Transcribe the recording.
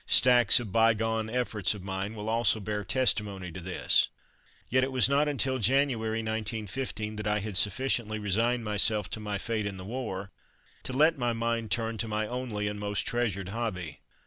Stacks of bygone efforts of mine will also bear testimony to this. Yet it was not until January, 1915, that I had sufficiently resigned myself to my fate in the war, to let my mind turn to my only and most treasured hobby.